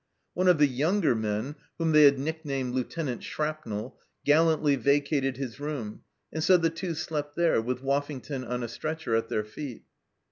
One of the younger men, whom they had nicknamed " Lieu tenant Shrapnel," gallantly vacated his room, and so the Two slept there, with Woffington on a stretcher at their feet.